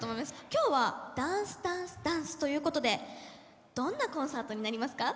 今日は「ダンスダンスダンス」ということでどんなコンサートになりますか？